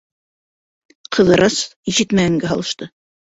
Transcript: Ҡыҙырас ишетмәгәнгә һалышты.